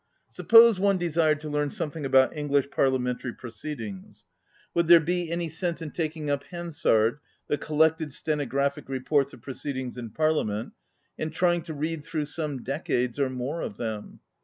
Suppose one desired to learn some thing about English parliamentary proceedings; would there be any sense in taking up " Hansard," ŌĆö the collected stenographic reports of proceedings in Parliament, ŌĆö and trying to read through some decades or more of them?